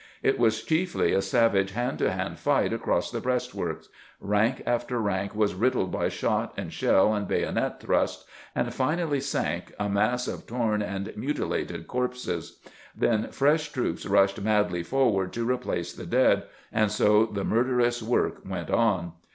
It was chiefly a savage hand to hand fight across the breastworks. Rank after rank was riddled by shot and shell and bayonet thrusts, and finally sank, a mass of torn and mutilated corpses ; then fresh troops rushed madly forward to replace the dead, and so the murder ous work went on.